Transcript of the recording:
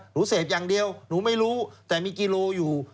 เสพอย่างเดียวหนูไม่รู้แต่มีกิโลอยู่